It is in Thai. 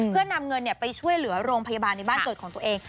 เพื่อนำเงินไปช่วยเหลือโรงพยาบาลในบ้านเกิดของตัวเอง